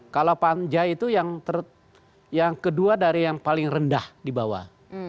kalau panja itu yang kedua dari yang paling rendah di bawah